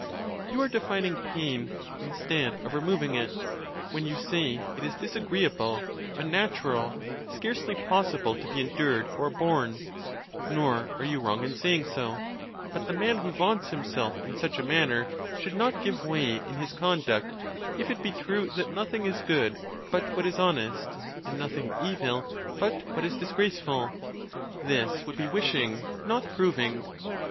You are defining pain, instead of removing it, when you say, it is disagreeable, unnatural, scarcely possible to be endured or borne, nor are you wrong in saying so: but the man who vaunts himself in such a manner should not give way in his conduct, if it be true that nothing is good but what is honest, and nothing evil but what is disgrace ful. This would be wishing, not proving.